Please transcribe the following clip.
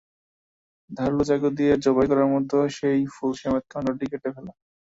ধারালো চাকু দিয়ে জবাই করার মতো সেই ফুলসমেত কাণ্ডটি কেটে ফেলা।